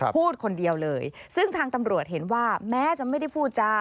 พูดคนเดียวเลยซึ่งทางตำรวจเห็นว่าแม้จะไม่ได้พูดจ้า